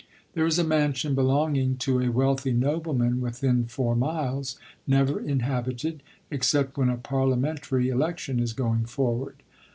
There is a mansion belonging to a wealthy nobleman with in four miles, never inhabited, except whe*n a parliamentary election is going forward.